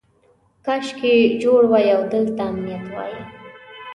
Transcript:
کاشکې جوړ وای او دلته امنیت وای.